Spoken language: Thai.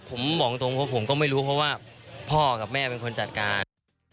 ผมบอกตรงว่าผมก็ไม่รู้เพราะว่าพ่อกับแม่เป็นคนจัดการ